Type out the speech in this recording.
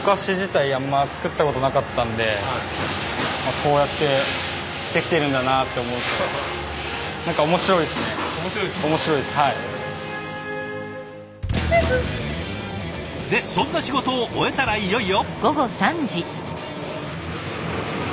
走って走って！でそんな仕事を終えたらいよいよ。